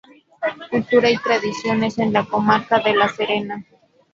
Cultura y tradiciones en la Comarca de la Serena".